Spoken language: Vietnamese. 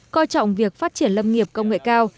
coi trọng việc phát triển lâm nghiệp công nghệ cao